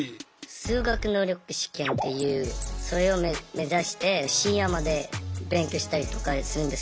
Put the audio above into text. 修学能力試験っていうそれを目指して深夜まで勉強したりとかするんですけど。